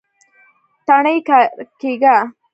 تڼۍ يې کېکاږله.